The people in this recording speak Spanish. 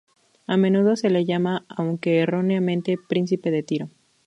A menudo se le llama, aunque erróneamente, príncipe de Tiro.